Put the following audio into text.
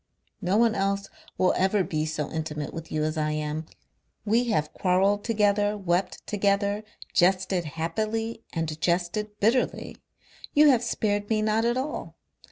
No one else will ever be so intimate with you as I am. We have quarrelled together, wept together, jested happily and jested bitterly. You have spared me not at all.